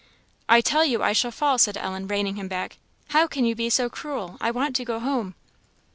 "I tell you I shall fall," said Ellen, reining him back. "How can you be so cruel! I want to go home!"